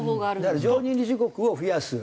だから常任理事国を増やす。